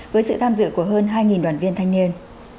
với sự tham dự của hơn hai đoàn viên thanh niên